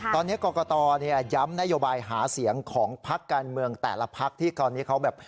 ตอนนี้กรกตย้ำนโยบายหาเสียงของพักการเมืองแต่ละพักที่ตอนนี้เขาแบบ